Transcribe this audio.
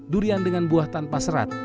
durian dengan buah tanpa serat